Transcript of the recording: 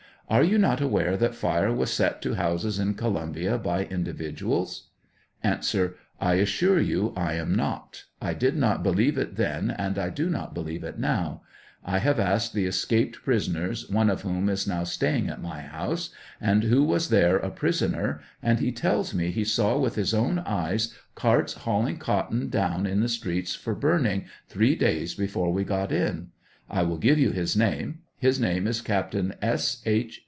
Are you not aware that fire was set to houses in Columbia by individuals ? A. I assure you I am not ; I did not believe it then, and I do not believe it now ; I have asked the escaped prisoners, one of whom is now staying at my house, and who was there a prisoner, and he tells me he saw with his own eyes carts, hauling cotton down in the streets for burning three days before we got in ; I will give you his name; his name is Captain S. H.